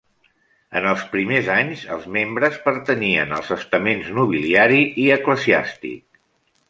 En els primers anys, els membres pertanyien als estaments nobiliari i eclesiàstic.